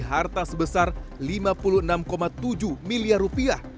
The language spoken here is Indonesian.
harta sebesar lima puluh enam tujuh miliar rupiah